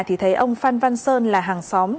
thì thấy ông phan văn sơn là hàng xóm